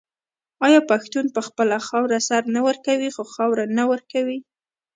آیا پښتون په خپله خاوره سر نه ورکوي خو خاوره نه ورکوي؟